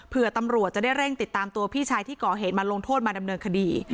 เพื่อตำรวจจะได้เร่งติดตามตัวพี่ชายที่ก่อเหตุมาลงโทษมาดำเนินคดี